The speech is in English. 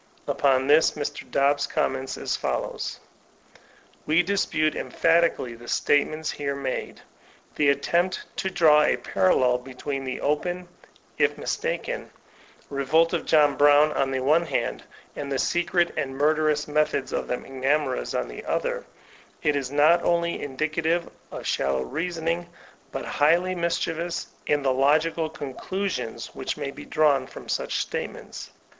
'* Upon this Mr. Dobbs comments as follows: ''We dispute en^hatically the statements here made. The attempt to draw a parallel between the open — if mistaken — ^revolt of John Brown on the one hand, and the secret and murderous methods of the McNamaras on the other, is not only indicative of shallow reasoning, but highly mischievous in the logical conclusions which may be drawn from such statements.